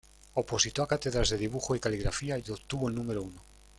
Opositó a cátedras de Dibujo y Caligrafía y obtuvo el número uno.